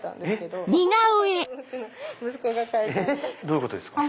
どういうことですか？